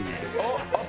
あっ！